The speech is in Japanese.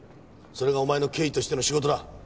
それがお前の刑事としての仕事だ。